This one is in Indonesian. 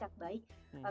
biasanya kita lihat dari